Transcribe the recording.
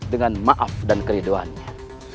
dengan maaf dan keridoannya